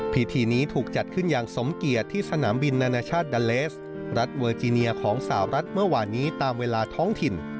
พิธีนี้ถูกจัดขึ้นอย่างสมเกียจที่สนามบินนานาชาติดาเลสรัฐเวอร์จีเนียของสาวรัฐเมื่อวานนี้ตามเวลาท้องถิ่น